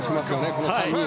この３人。